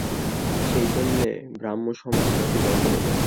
সেইজন্যে ব্রাহ্মসমাজ তাঁকে দণ্ড দেবেন।